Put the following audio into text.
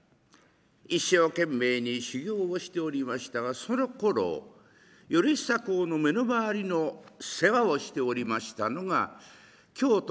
一生懸命に修業をしておりましたがそのころ頼房公の身の回りの世話をしておりましたのが京都